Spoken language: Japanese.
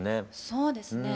そうですね。